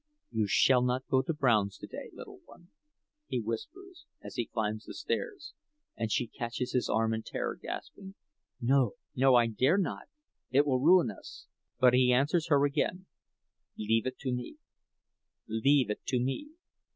"You shall not go to Brown's today, little one," he whispers, as he climbs the stairs; and she catches his arm in terror, gasping: "No! No! I dare not! It will ruin us!" But he answers her again: "Leave it to me; leave it to me.